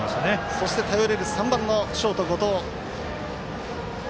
そして頼れる３番のショート、後藤。